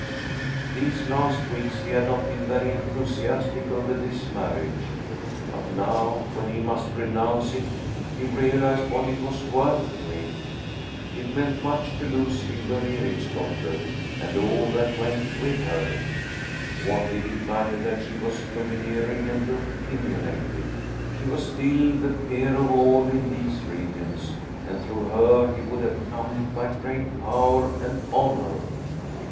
These last weeks he had not been very enthusiastic over this marriage. But now, when he must renounce it, he realized what it was worth to him. It meant much to lose Hildur Ericsdotter and all that went with her. What did it matter that she was domineering and opinionated? She was still the peer of all in these regions, and through her he would have come by great power and honor.